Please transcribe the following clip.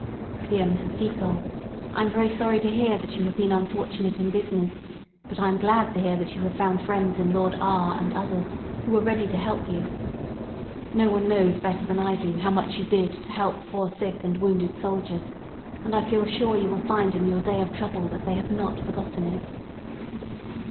"Dear Mrs. Seacole, I am very sorry to hear that you have been unfortunate in business; but I am glad to hear that you have found friends in Lord R and others, who are ready to help you. No one knows better than I do how much you did to help poor sick and wounded soldiers; and I feel sure you will find in your day of trouble that they have not forgotten it."